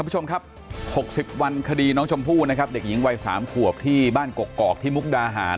หกสิบวันคดีน้องชมพู่นะครับเด็กหญิงวัยสามขวบที่บ้านเกาะเกาะที่มุกดาหาร